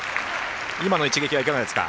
今の一撃はいかがですか？